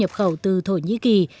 nhập khẩu từ thổ nhĩ kỳ